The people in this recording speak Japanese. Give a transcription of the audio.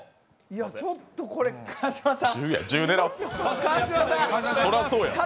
ちょっとこれは川島さん。